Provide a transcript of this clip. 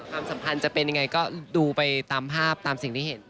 ความสัมพันธ์จะเป็นยังไงก็ดูไปตามภาพตามสิ่งที่เห็น